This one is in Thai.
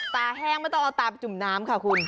แห้งไม่ต้องเอาตาไปจุ่มน้ำค่ะคุณ